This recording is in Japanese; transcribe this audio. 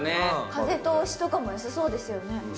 風通しとかも良さそうですよね。